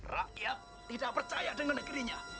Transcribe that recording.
rakyat tidak percaya dengan negerinya